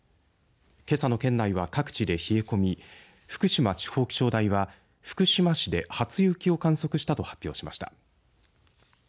けさの県内は各地で冷え込み福島地方気象台は福島市で初雪を観測したと発表しました。